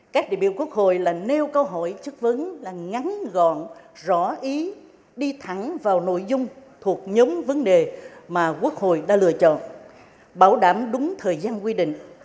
các đại biểu quốc hội là nêu câu hỏi chất vấn là ngắn gọn rõ ý đi thẳng vào nội dung thuộc nhóm vấn đề mà quốc hội đã lựa chọn bảo đảm đúng thời gian quy định